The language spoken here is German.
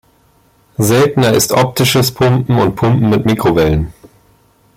Seltener ist optisches Pumpen und Pumpen mit Mikrowellen.